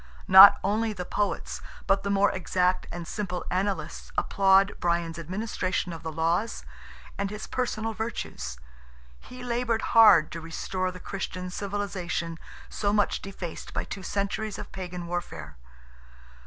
Not only the Poets, but the more exact and simple Annalists applaud Brian's administration of the laws, and his personal virtues. He laboured hard to restore the Christian civilization, so much defaced by two centuries of Pagan warfare.